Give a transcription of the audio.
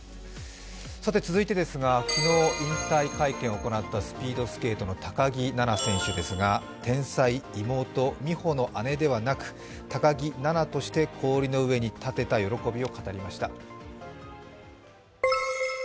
続いてですが、昨日、引退会見を行ったスピードスケートの高木菜那選手ですが、天才、妹・美帆の姉ではなく、高木菜那として氷の上に立てた喜びを語りました。